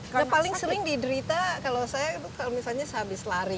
karena paling sering diderita kalau saya kalau misalnya sehabis lari